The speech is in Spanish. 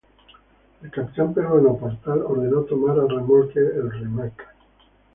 El capitán peruano Portal ordenó tomar a remolque al "Rímac".